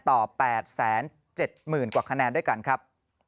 ๘๗๐๐๐กว่าคะแนนด้วยกันครับ